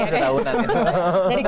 udah tahunan ya